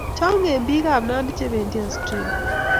Change pik ab nandi chependi Australia